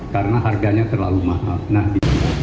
karena harganya terlalu mahal